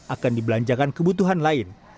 akan dibelanjakan kebutuhan lain